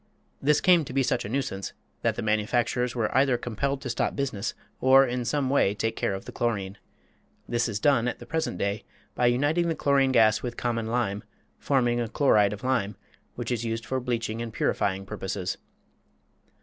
This came to be such a nuisance that the manufacturers were either compelled to stop business or in some way take care of the chlorine. This is done at the present day by uniting the chlorine gas with common lime, forming a chloride of lime, which is used for bleaching and purifying purposes.